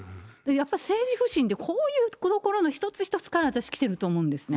やっぱり政治不信って、こういうことの一つ一つから、私来てると思うんです。